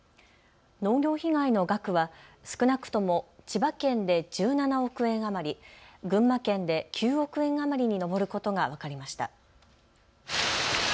農業被害の額は少なくとも千葉県で１７億円余り、群馬県で９億円余りに上ることが分かりました。